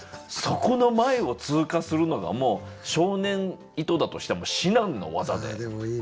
そこの前を通過するのがもう少年井戸田としては至難の業で。